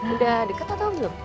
udah deket atau belum